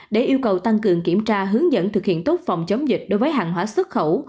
để yêu cầu tăng cường kiểm tra hướng dẫn thực hiện tốt phòng chống dịch đối với hàng hóa xuất khẩu